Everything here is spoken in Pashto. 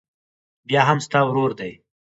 بيا هم ستا ورور دى.